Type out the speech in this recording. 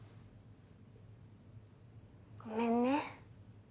ごめんね。